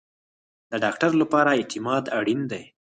د ډاکټر لپاره اعتماد اړین دی